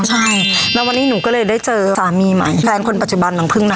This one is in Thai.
ใช่แล้ววันนี้หนูก็เลยได้เจอสามีใหม่แฟนคนปัจจุบันหลังพึ่งนะ